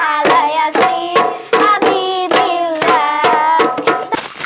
allah yasir habibillah